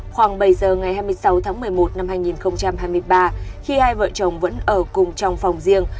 khoảng bảy giờ ngày hai mươi sáu tháng một mươi một năm hai nghìn hai mươi ba khi hai vợ chồng vẫn ở cùng trong phòng riêng